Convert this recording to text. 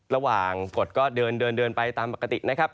ระหว่างกดก็เดินไปตามปกตินะครับ